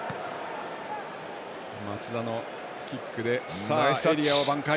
松田のキックでエリアを挽回。